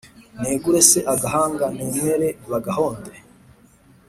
negure se agahanga nemere bagahonde